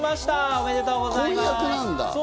おめでとうございます！